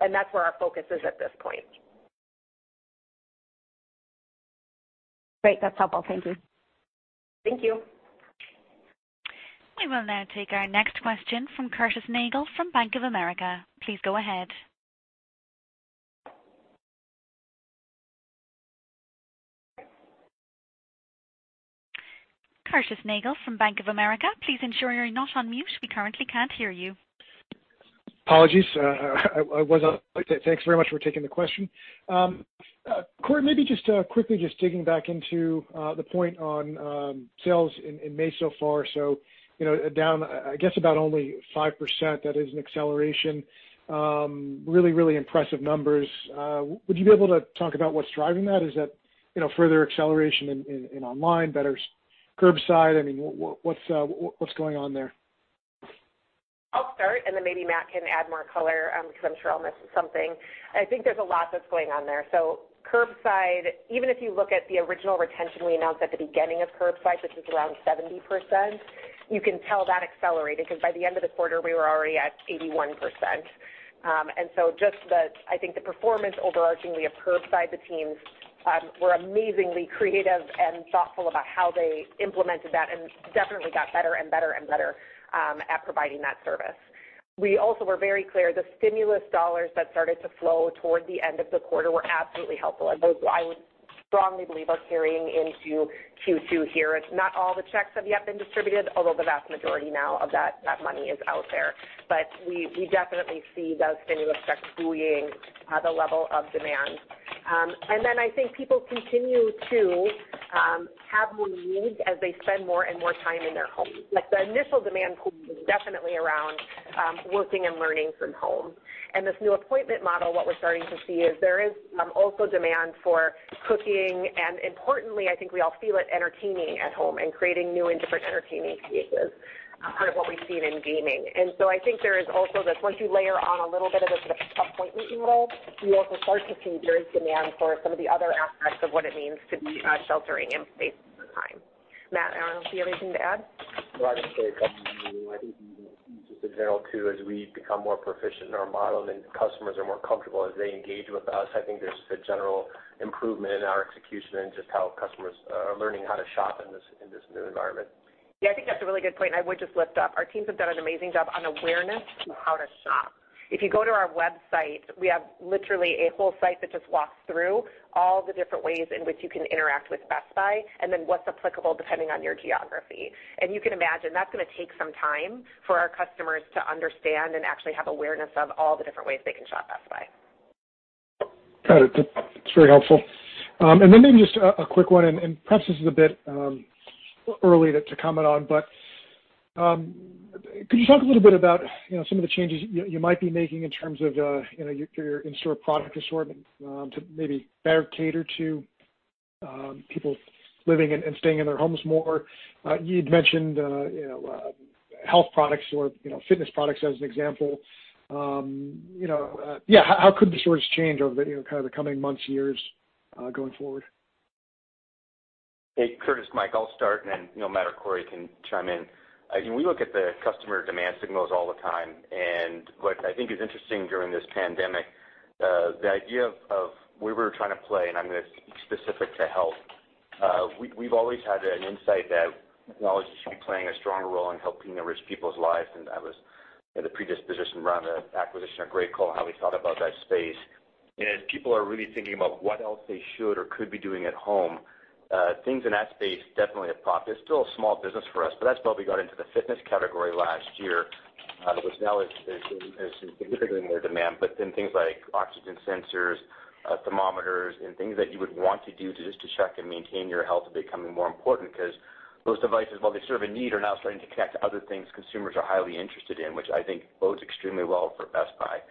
and that's where our focus is at this point. Great. That's helpful. Thank you. Thank you. We will now take our next question from Curtis Nagle from Bank of America. Please go ahead. Curtis Nagle from Bank of America, please ensure you're not on mute. We currently can't hear you. Apologies. I was on mute. Thanks very much for taking the question. Corie, maybe just quickly digging back into the point on sales in May so far. Down, I guess about only 5%; that is an acceleration. Really impressive numbers. Would you be able to talk about what's driving that? Is that further acceleration online better curbside? What's going on there? I'll start, and then maybe Matt can add more color, because I'm sure I'll miss something. I think there's a lot that's going on there. Curbside, even if you look at the original retention we announced at the beginning of curbside, which was around 70%, you can tell that accelerated, because by the end of the quarter, we were already at 81%. I just think the performance overarchingly of curbside, the teams were amazingly creative and thoughtful about how they implemented that and definitely got better and better and better at providing that service. We also were very clear that the stimulus dollars that started to flow toward the end of the quarter were absolutely helpful, and those, I would strongly believe, are carrying into Q2 here. Not all the checks have yet been distributed, although the vast majority now of that money is out there. We definitely see those stimulus checks buoying the level of demand. I think people continue to have more needs as they spend more and more time in their homes. The initial demand pull was definitely around working and learning from home. This new appointment model, what we're starting to see is there is also demand for cooking and, importantly, I think we all feel it, entertaining at home and creating new and different entertaining spaces, part of what we've seen in gaming. I think there is also this: once you layer on a little bit of a sort of appointment model, you also start to see there is demand for some of the other aspects of what it means to be sheltering in place over time. Matt, do you have anything to add? No, I agree with that. I think just in general too, as we become more proficient in our model and customers are more comfortable as they engage with us, I think there's just a general improvement in our execution and just how customers are learning how to shop in this new environment. Yeah, I think that's a really good point. I would just lift up our teams; they have done an amazing job on awareness of how to shop. If you go to our website, we have literally a whole site that just walks through all the different ways in which you can interact with Best Buy and then what's applicable depending on your geography. You can imagine that's going to take some time for our customers to understand and actually have awareness of all the different ways they can shop Best Buy. Got it. That's very helpful. Then maybe just a quick one, and perhaps this is a bit early to comment on, but could you talk a little bit about some of the changes you might be making in terms of your in-store product assortment to maybe better cater to people living and staying in their homes more? You'd mentioned health products or fitness products as an example. How could the stores change over the coming months and years going forward? Hey, Curtis, Mike, I'll start, and then Matt or Corie can chime in. We look at the customer demand signals all the time, and what I think is interesting during this pandemic is the idea of where we're trying to play, and I'm going to speak specifically to health. We've always had an insight that technology should be playing a stronger role in helping enrich people's lives, and I was in the previous position around the acquisition of GreatCall, how we thought about that space. As people are really thinking about what else they should or could be doing at home, things in that space definitely have popped. It's still a small business for us, but that's why we got into the fitness category last year, which now has significantly more demand. Things like oxygen sensors, thermometers, and things that you would want to do just to check and maintain your health are becoming more important because those devices, while they serve a need, are now starting to connect to other things consumers are highly interested in, which I think bodes extremely well for Best Buy.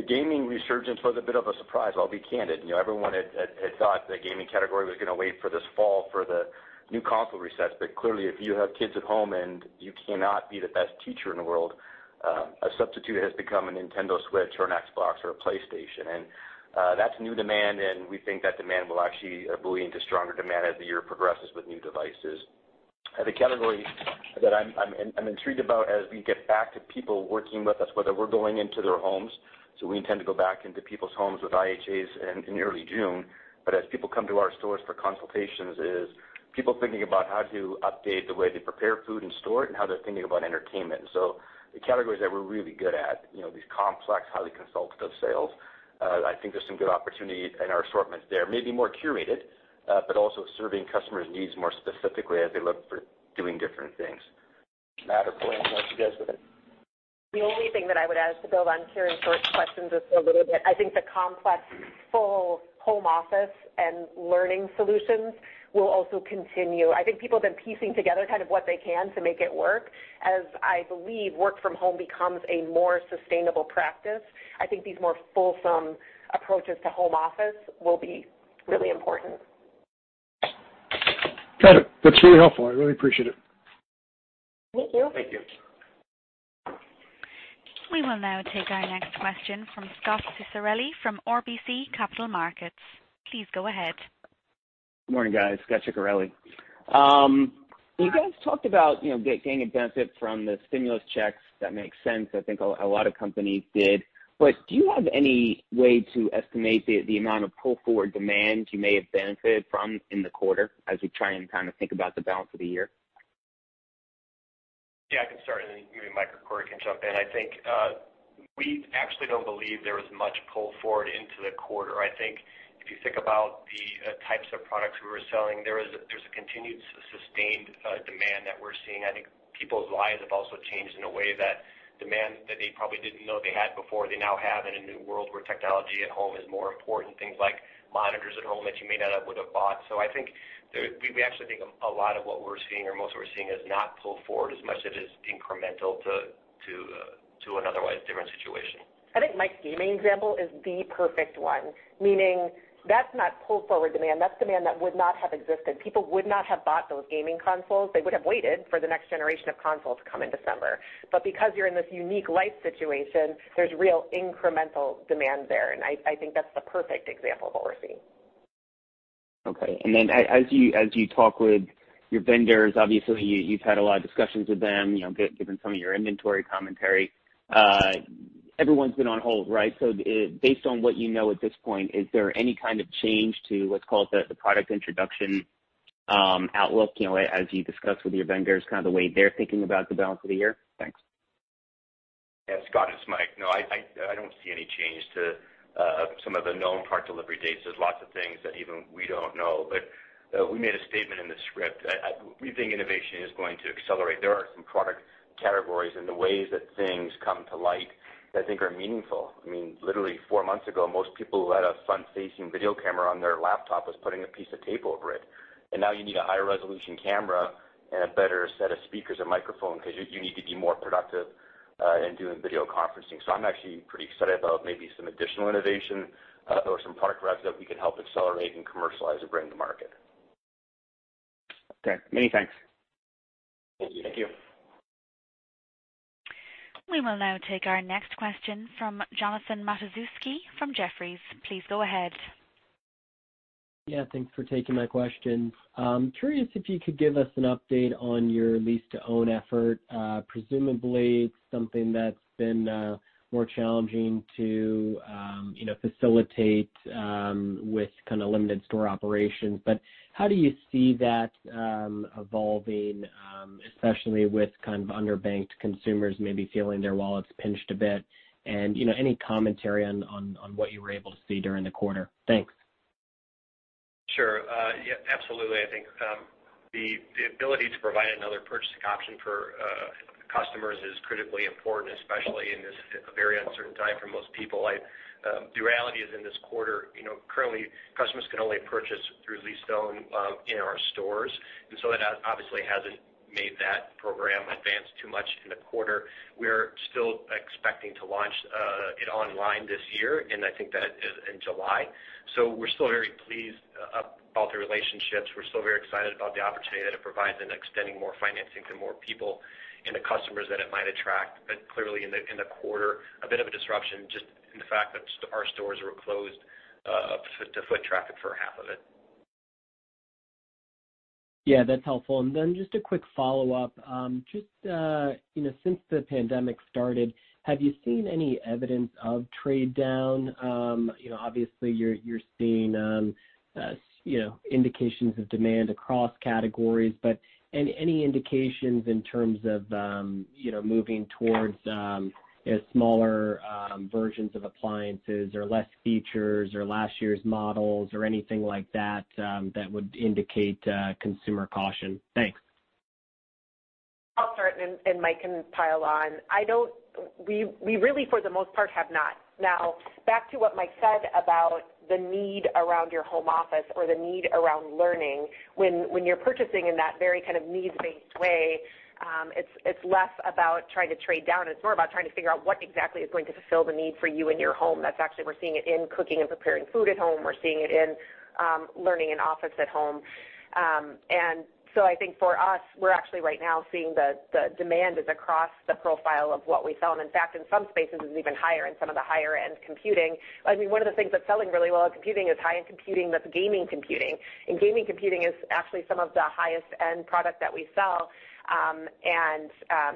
The gaming resurgence was a bit of a surprise, I'll be candid. Everyone had thought the gaming category was going to wait for this fall for the new console resets. Clearly, if you have kids at home and you cannot be the best teacher in the world, a substitute has become a Nintendo Switch or an Xbox or a PlayStation. That's new demand, and we think that demand will actually buoy into stronger demand as the year progresses with new devices. The category that I'm intrigued about as we get back to people working with us, whether we're going into their homes—so we intend to go back into people's homes with IHAs in early June, but as people come to our stores for consultations, is people thinking about how to update the way they prepare food and store it and how they're thinking about entertainment. The categories that we're really good at, these complex, highly consultative sales, I think there's some good opportunity in our assortments there. Maybe more curated, but also serving customers' needs more specifically as they look to do different things. Matt or Corie, do you guys want to? The only thing that I would add to build on Karen's first questions just a little bit is I think the complex, full home office and learning solutions will also continue. I think people have been piecing together what they can to make it work. I believe work from home becomes a more sustainable practice; I think these more fulsome approaches to home office will be really important. Got it. That's really helpful. I really appreciate it. Thank you. Thank you. We will now take our next question from Scot Ciccarelli from RBC Capital Markets. Please go ahead. Morning, guys. Scot Ciccarelli. You guys talked about gaining benefits from the stimulus checks; that makes sense. Do you have any way to estimate the amount of pull-forward demand you may have benefited from in the quarter as we try and think about the balance of the year? Yeah, I can start and then maybe Mike or Corie can jump in. I think we actually don't believe there was much pull-forward into the quarter. I think if you think about the types of products we were selling, there's a continued sustained demand that we're seeing. I think people's lives have also changed in a way that demands that they probably didn't know they had before; they now have in a new world where technology at home is more important, things like monitors at home that you may not have would've been bought. I think we actually think a lot of what we're seeing, or most of what we're seeing, is not a pull-forward as much as it is incremental to an otherwise different situation. I think Matt gaming example is the perfect one, meaning that's not pull-forward demand; that's demand that would not have existed. People would not have bought those gaming consoles. They would have waited for the next generation of consoles to come in December. Because you're in this unique life situation, there's real incremental demand there, and I think that's the perfect example of what we're seeing. Okay. As you talk with your vendors, obviously you've had a lot of discussions with them, given some of your inventory commentary. Everyone's been on hold, right? Based on what you know at this point, is there any kind of change to what's called the product introduction outlook as you discuss with your vendors the way they're thinking about the balance of the year? Thanks. Yeah, Scot, it's Mike. I don't see any change to some of the known product delivery dates. There are lots of things that even we don't know. We made a statement in the script. We think innovation is going to accelerate. There are some product categories and the ways that things come to light that I think are meaningful. Literally four months ago, most people who had a front-facing video camera on their laptop were putting a piece of tape over it. Now you need a higher-resolution camera and a better set of speakers and microphone because you need to be more productive in doing video conferencing. I'm actually pretty excited about maybe some additional innovation or some product revs that we can help accelerate and commercialize and bring to market. Okay. Many thanks. Thank you. We will now take our next question from Jonathan Matuszewski from Jefferies. Please go ahead. Yeah, thanks for taking my question. I'm curious if you could give us an update on your lease-to-own effort. Presumably it's something that's been more challenging to facilitate with limited store operations. How do you see that evolving, especially with underbanked consumers maybe feeling their wallets pinched a bit? Any commentary on what you were able to see during the quarter. Thanks. Sure. Yeah, absolutely. I think the ability to provide another purchasing option for customers is critically important, especially in this very uncertain time for most people. The reality is, in this quarter, currently customers can only purchase through lease-to-own in our stores. That obviously hasn't made that program advance too much in the quarter. We're still expecting to launch it online this year, and I think that it will be in July. We're still very pleased about the relationships. We're still very excited about the opportunity that it provides in extending more financing to more people and the customers that it might attract. Clearly in the quarter, there was a bit of a disruption just in the fact that our stores were closed to foot traffic for half of it. Yeah, that's helpful. Just a quick follow-up. Just since the pandemic started, have you seen any evidence of trading down? Obviously you're seeing indications of demand across categories, but are there any indications in terms of moving towards smaller versions of appliances or less features or last year's models or anything like that that would indicate consumer caution? Thanks. I'll start and Mike can pile on. We really, for the most part, have not. Now, back to what Mike said about the need around your home office or the need around learning: when you're purchasing in that very kind of needs-based way, it's less about trying to trade down. It's more about trying to figure out what exactly is going to fulfill the need for you in your home. That's actually something we're seeing in cooking and preparing food at home. We're seeing it in learning and office at home. I think for us, we're actually right now seeing the demand is across the profile of what we sell. In fact, in some spaces it's even higher in some of the higher-end computing. One of the things that's selling really well in computing is high-end computing, which is gaming computing. Gaming computers are actually some of the highest-end products that we sell.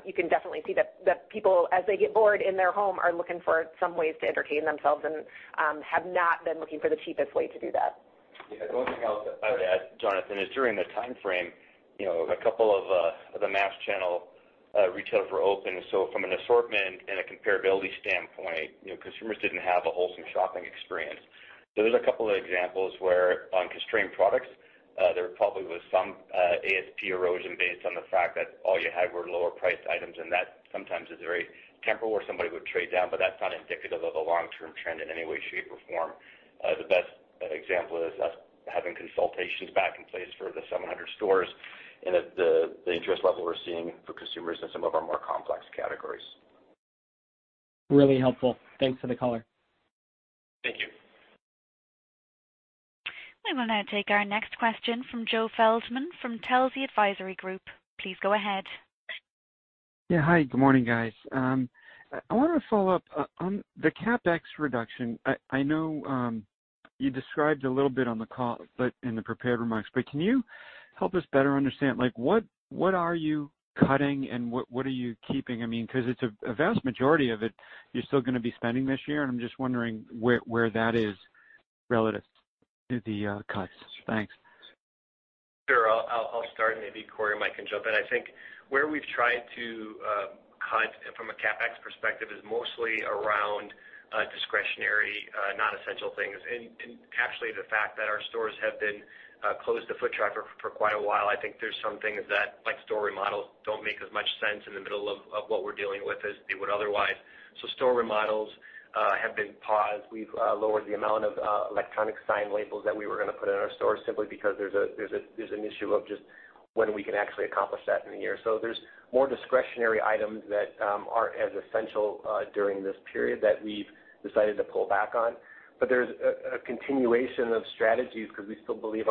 You can definitely see that people, as they get bored in their home, are looking for some ways to entertain themselves and have not been looking for the cheapest way to do that. The only thing I would add, Jonathan, is during the timeframe, a couple of the mass channel retailers were open. From an assortment and a comparability standpoint, consumers didn't have a wholesome shopping experience. There are a couple of examples where, on constrained products, there probably was some ASP erosion based on the fact that all you had were lower-priced items, and that sometimes is very temporary, where somebody would trade down, but that's not indicative of a long-term trend in any way, shape, or form. The best example is us having consultations back in place for the 700 stores and the interest level we're seeing for consumers in some of our more complex categories. Really helpful. Thanks for the color. Thank you. We will now take our next question from Joe Feldman from Telsey Advisory Group. Please go ahead. Hi, good morning, guys. I want to follow up on the CapEx reduction. I know you described a little bit on the call and in the prepared remarks, but can you help us better understand what you are cutting and what you are keeping? It's a vast majority of it you're still going to be spending this year, and I'm just wondering where that is relative to the cuts. Thanks. Sure. I'll start and maybe Corie or Mike can jump in. I think where we've tried to cut from a CapEx perspective is mostly around discretionary, non-essential things. Actually, given the fact that our stores have been closed to foot traffic for quite a while, I think there are some things, like store remodels, that don't make as much sense in the middle of what we're dealing with as they would otherwise. Store remodels have been paused. We've lowered the amount of electronic sign labels that we were going to put in our stores simply because there's an issue of just when we can actually accomplish that in the year. There's more discretionary items that aren't as essential during this period that we've decided to pull back on. There's a continuation of strategies because we still believe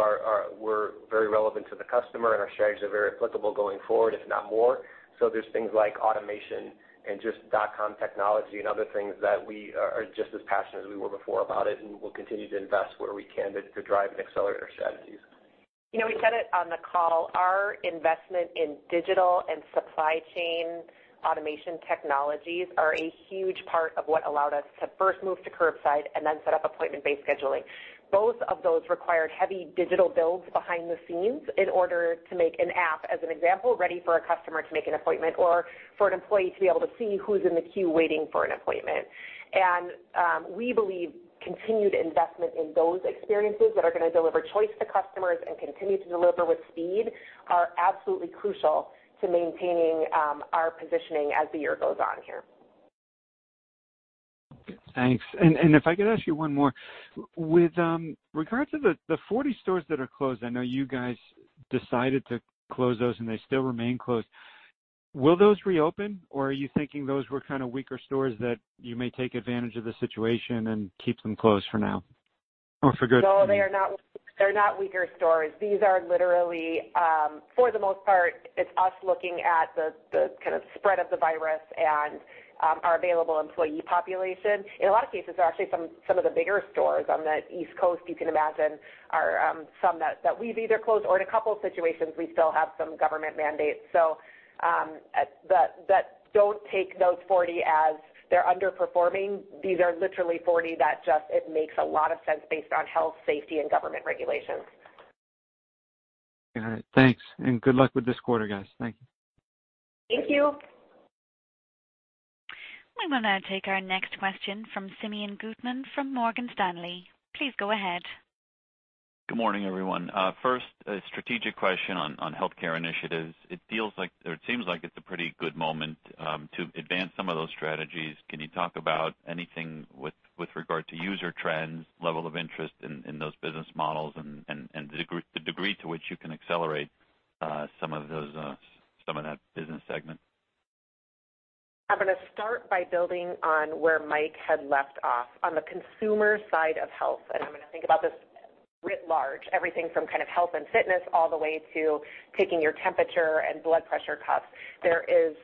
we're very relevant to the customer and our strategies are very applicable going forward, if not more so. There are things like automation and just dot-com technology and other things that we are just as passionate about as we were before, and we'll continue to invest where we can to drive and accelerate our strategies. We said it on the call: our investment in digital and supply chain automation technologies is a huge part of what allowed us to first move to curbside and then set up appointment-based scheduling. Both of those required heavy digital builds behind the scenes in order to make an app, as an example, ready for a customer to make an appointment or for an employee to be able to see who's in the queue waiting for an appointment. We believe continued investment in those experiences that are going to deliver choice to customers and continue to deliver with speed are absolutely crucial to maintaining our positioning as the year goes on here. Thanks. If I could, I'd ask you one more. With regard to the 40 stores that are closed, I know you guys decided to close those and they still remain closed. Will those reopen, or are you thinking those were kind of weaker stores that you may take advantage of the situation and keep closed for now? No, they're not weaker stores. These are literally, for the most part, us looking at the spread of the virus and our available employee population. In a lot of cases, they're actually some of the bigger stores on the East Coast; you can imagine some that we've either closed, or in a couple of situations, we still have some government mandates. Don't take those 40 as they're underperforming. These are literally 40 that just—it makes a lot of sense based on health, safety, and government regulations. All right. Thanks. Good luck with this quarter, guys. Thank you. Thank you. We will now take our next question from Simeon Gutman from Morgan Stanley. Please go ahead. Good morning, everyone. First, a strategic question on healthcare initiatives. It feels like, or it seems like it's a pretty good moment to advance some of those strategies. Can you talk about anything with regard to user trends, level of interest in those business models, and the degree to which you can accelerate some of that business segment? I'm going to start by building on where Mike had left off, on the consumer side of health. I'm going to think about this writ large, everything from health and fitness all the way to taking your temperature and blood pressure cuff. There is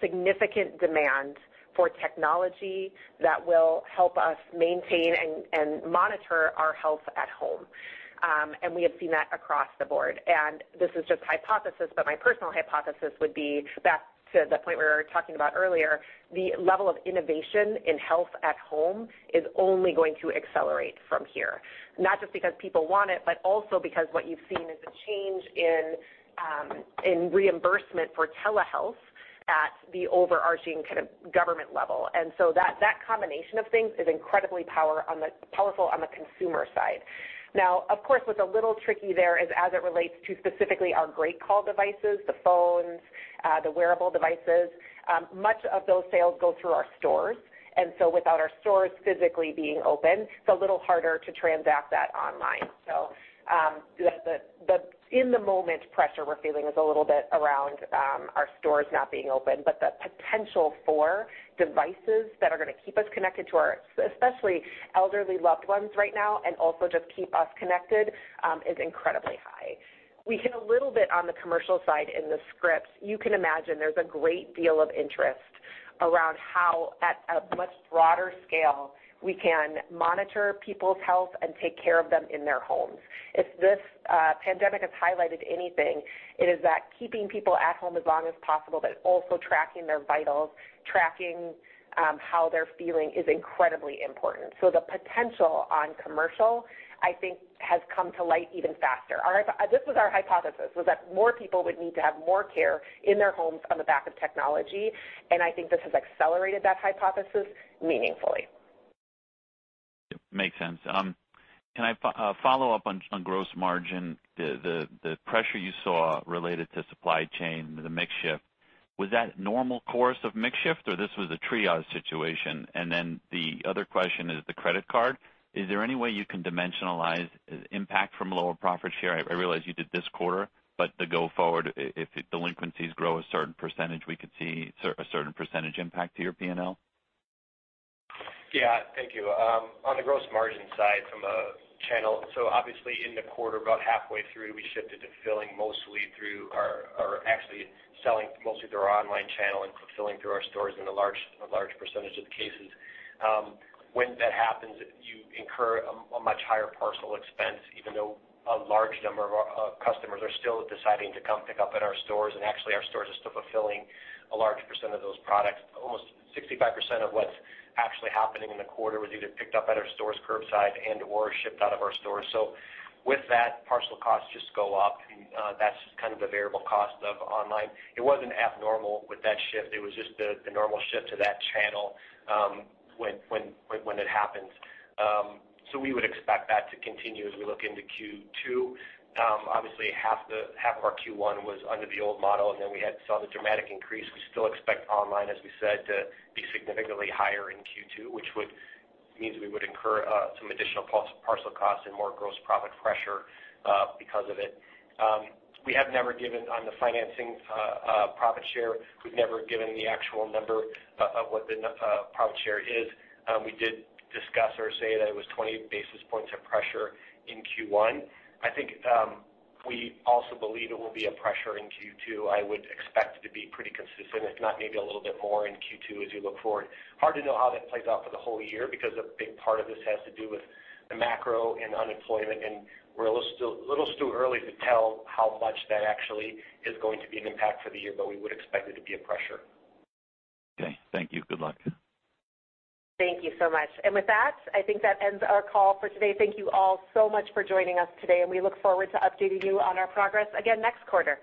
significant demand for technology that will help us maintain and monitor our health at home. We have seen that across the board. This is just a hypothesis, but my personal hypothesis would be back to the point we were talking about earlier: the level of innovation in health at home is only going to accelerate from here. Not just because people want it, but also because what you've seen is a change in reimbursement for telehealth at the overarching government level. That combination of things is incredibly powerful on the consumer side. Of course, what's a little tricky there is as it relates to specifically our GreatCall devices, the phones, and the wearable devices; much of those sales go through our stores. Without our stores physically being open, it's a little harder to transact that online. The in-the-moment pressure we're feeling is a little bit around our stores not being open, but the potential for devices that are going to keep us connected to our, especially elderly, loved ones right now and also just keep us connected is incredibly high. We hit a little bit on the commercial side in the scripts. You can imagine there's a great deal of interest around how at a much broader scale we can monitor people's health and take care of them in their homes. If this pandemic has highlighted anything, it is that keeping people at home as long as possible but also tracking their vitals and tracking how they're feeling is incredibly important. The potential in commercial, I think, has come to light even faster. This was our hypothesis: that more people would need to have more care in their homes on the back of technology, and I think this has accelerated that hypothesis meaningfully. Makes sense. Can I follow up on gross margin? The pressure you saw related to the supply chain, the mix shift, was that the normal course of the mix shift, or was this a triage situation? The other question is the credit card. Is there any way you can dimensionalize impact from a lower profit share? I realize you did this quarter, but going forward, if delinquencies grow a certain percentage, we could see a certain percentage impact to your P&L. Yeah. Thank you. On the gross margin side from a channel, obviously in the quarter, about halfway through, we shifted to selling mostly through our online channel and fulfilling through our stores in a large percentage of the cases. When that happens, you incur a much higher parcel expense, even though a large number of our customers are still deciding to come pick up at our stores, and actually our stores are still fulfilling a large percent of those products. Almost 65% of what's actually happening in the quarter was either picked up at our stores curbside and/or shipped out of our stores. With that, parcel costs just go up. That's just the variable cost of being online. It wasn't abnormal with that shift. It was just the normal shift to that channel when it happened. We would expect that to continue as we look into Q2. Obviously, half of our Q1 was under the old model, and then we saw the dramatic increase. We still expect online, as we said, to be significantly higher in Q2, which means we will incur some additional parcel costs and more gross profit pressure because of it. The financing profit share: we've never given the actual number of what the profit share is. We did discuss or say that it was 20 basis points of pressure in Q1. I think we also believe it will be a pressure in Q2. I would expect it to be pretty consistent, if not maybe a little bit more in Q2 as we look forward. Hard to know how that plays out for the whole year because a big part of this has to do with the macro and unemployment, and we're still a little too early to tell how much that actually is going to be an impact for the year, but we would expect it to be a pressure. Okay. Thank you. Good luck. Thank you so much. With that, I think that ends our call for today. Thank you all so much for joining us today, and we look forward to updating you on our progress again next quarter.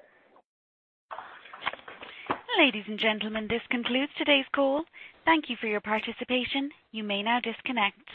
Ladies and gentlemen, this concludes today's call. Thank you for your participation. You may now disconnect.